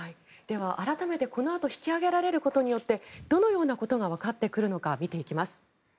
改めて、このあと引き揚げられることによってどのようなことがわかってくるのか見ていきます。